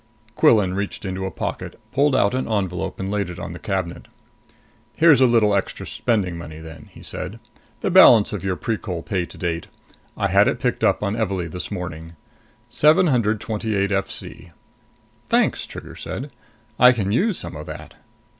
Quillan reached into a pocket, pulled out an envelope and laid it on the cabinet. "Here's a little extra spending money then," he said. "The balance of your Precol pay to date. I had it picked up on Evalee this morning. Seven hundred twenty eight FC." "Thanks," Trigger said. "I can use some of that."